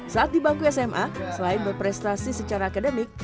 saat di bangku sma selain berprestasi secara akademik